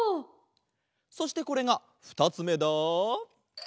そしてこれがふたつめだ。